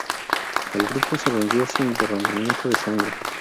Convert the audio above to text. El grupo se rindió sin derramamiento de sangre.